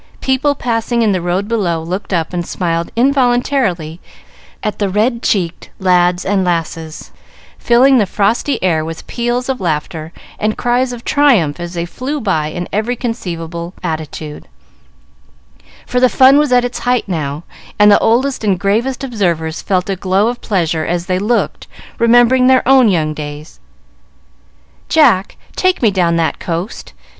People passing in the road below looked up and smiled involuntarily at the red cheeked lads and lasses, filling the frosty air with peals of laughter and cries of triumph as they flew by in every conceivable attitude; for the fun was at its height now, and the oldest and gravest observers felt a glow of pleasure as they looked, remembering their own young days. "Jack, take me down that coast.